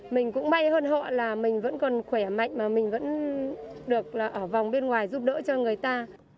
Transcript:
mình cũng may hơn họ là mình vẫn còn khỏe mạnh mà mình vẫn được ở vòng bên ngoài giúp đỡ cho người ta